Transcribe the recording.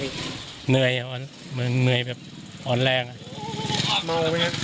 เหนื่อยอ่ะเหนื่อยแบบอ่อนแรงอ่ะ